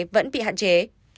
vẫn bị hạn chế